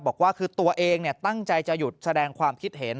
บอกว่าคือตัวเองตั้งใจจะหยุดแสดงความคิดเห็น